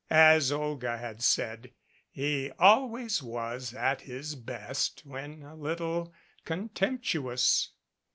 As Olga had said, he always was at his best when a little contemptuous.